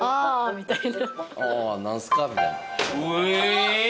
みたいな。